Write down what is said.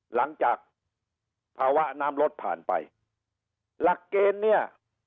หลังจากภาวะน้ำรถผ่านไปหลักเกณฑ์เนี่ย